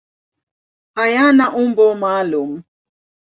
Hayana umbo maalum.